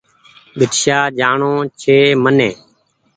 ڀيٽ شاه جآڻو ڇي مني ۔